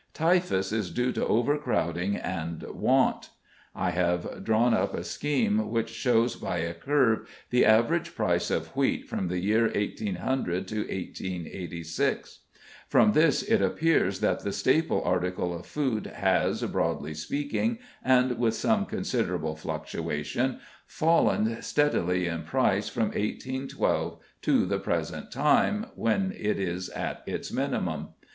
Typhus is due to overcrowding and want. I have drawn up a scheme which shows by a curve the average price of wheat from the year 1800 to 1886. From this it appears that the staple article of food has, broadly speaking, and with some considerable fluctuation, fallen steadily in price from 1812 to the present time, when it is at its minimum.